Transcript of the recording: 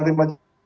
dari rumah sakit